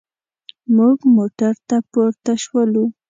موږ موټر ته پورته شولو.